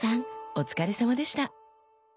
お疲れさまでした。